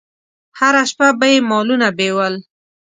هره شپه به یې مالونه بېول.